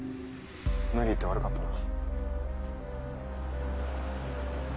無理言って悪かったな。